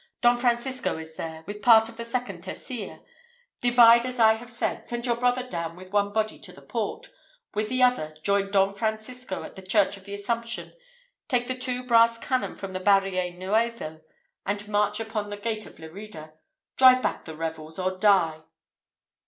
Don Francisco is there, with part of the second tercia. Divide as I have said send your brother down with one body to the port with the other, join Don Francisco, at the church of the Assumption; take the two brass cannon from the Barrio Nuevo, and march upon the gate of Lerida. Drive back the rebels, or die!"